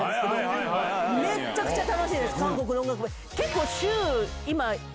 めちゃくちゃ楽しいです韓国の音楽番組。